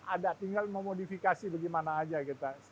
ada tinggal memodifikasi bagaimana saja